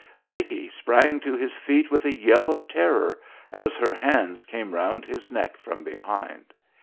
Dickie sprang to his feet with a yell of terror as her hands came round his neck from behind.